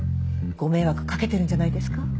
ご迷惑掛けてるんじゃないですか？